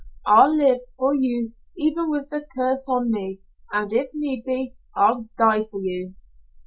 I'll live for you even with the curse on me, and if need be, I'll die for you."